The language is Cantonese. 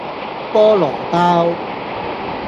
菠蘿包